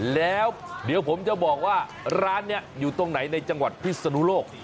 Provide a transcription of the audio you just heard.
แล้วเดี๋ยวผมจะบอกว่าร้านนี้อยู่ตรงไหนในจังหวัดพิศนุโลก